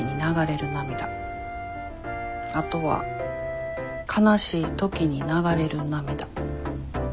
あとは悲しい時に流れる涙。